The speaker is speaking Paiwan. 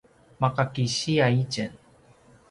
ma’a kisiya itjen